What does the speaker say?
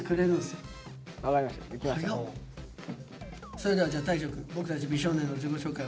それでは大昇くん僕たち美少年の自己紹介